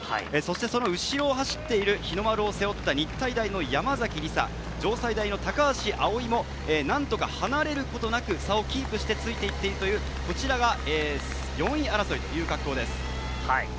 その後ろを走っている日の丸を背負った日体大の山崎りさ、城西大の高橋葵も何とか離れることなく、差をキープしてついていっているという、こちらが４位争いという格好です。